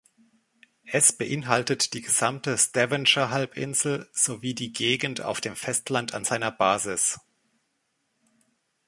Es beinhaltet die gesamte Stavanger-Halbinsel sowie die Gegend auf dem Festland an seiner Basis.